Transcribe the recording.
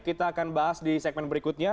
kita akan bahas di segmen berikutnya